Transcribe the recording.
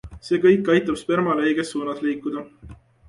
See kõik aitab spermal õiges suunas liikuda.